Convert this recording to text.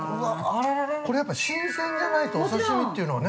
◆これ、やっぱ新鮮でないとお刺身というのはね。